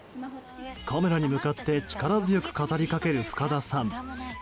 カメラに向かって力強く語りかける、深田さん。